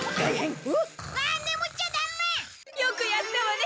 よくやったわね！